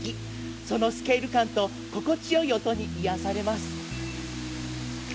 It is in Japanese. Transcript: そのスケール感と心地よい音に癒やされます。